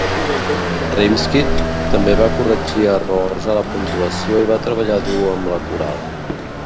Rimsky també va corregir errors a la puntuació i va treballar dur amb la coral.